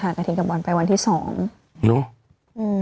ใช่ค่ะกะทิกับบอลไปวันที่สองอืม